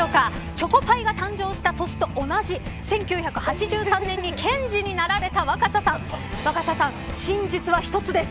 チョコパイが誕生した年と同じ１９８３年に検事になられた若狭さん若狭さん、真実は一つです。